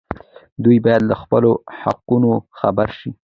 دوی باید له خپلو حقونو خبر شي.